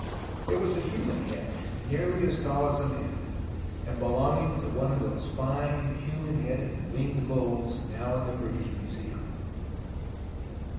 It was a human head, nearly as tall as a man, and belonging to one of those fine human headed winged bulls now in the British Museum.